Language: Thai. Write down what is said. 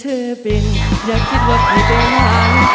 เมื่อเธอบินอยากคิดว่าเค้าเป็นห้ัง